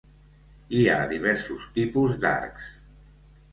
Hi ha diversos tipus d'arcs.